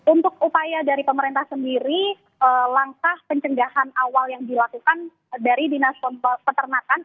untuk upaya dari pemerintah sendiri langkah pencegahan awal yang dilakukan dari dinas peternakan